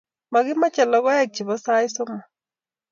makimache lokoek che po sait somok